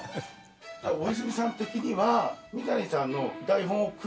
大泉さん的には。